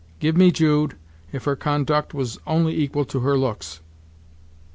Give me Jude, if her conduct was only equal to her looks!"